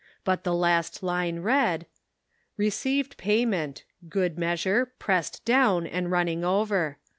But the last line read — "Received payment ('good measure, pressed down and running over